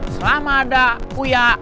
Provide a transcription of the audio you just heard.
selama ada puya